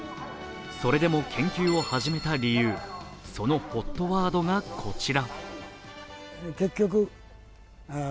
それでも研究を始めた理由、そのＨＯＴワードがこちら。